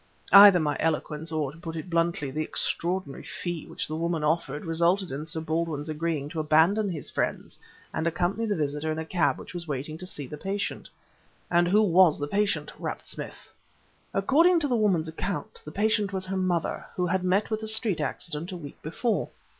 "Either my eloquence, or, to put it bluntly, the extraordinary fee which the woman offered, resulted in Sir Baldwin's agreeing to abandon his friends and accompany the visitor in a cab which was waiting to see the patient." "And who was the patient?" rapped Smith. "According to the woman's account, the patient was her mother, who had met with a street accident a week before.